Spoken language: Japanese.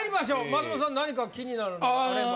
松本さん何か気になるのがあれば。